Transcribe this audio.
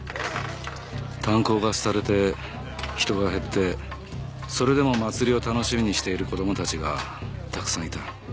炭鉱が廃れて人が減ってそれでも祭りを楽しみにしている子供たちがたくさんいた。